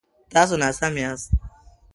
تاسو ناسم یاست